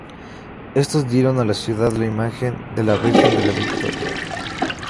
Estos dieron a la ciudad la imagen de la Virgen de la Victoria.